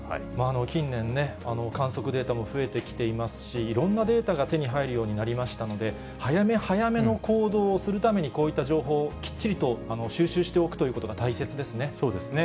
近年、観測データも増えてきていますし、いろんなデータが手に入るようになりましたので、早め早めの行動をするために、こういった情報をきっちりと収集そうですね。